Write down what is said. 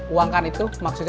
uangkan itu maksudnya